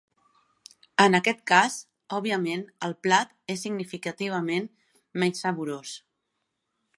En aquest cas, òbviament, el plat és significativament menys saborós.